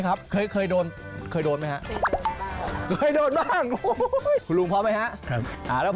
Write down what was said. ๖ครับเข้าทุ่มดอก